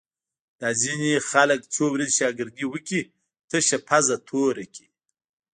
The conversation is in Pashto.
دا ځینې خلک څو ورځې شاگردي وکړي، تشه پوزه توره کړي